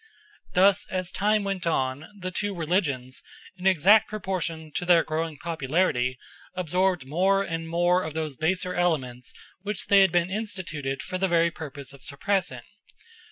Thus as time went on, the two religions, in exact proportion to their growing popularity, absorbed more and more of those baser elements which they had been instituted for the very purpose of suppressing.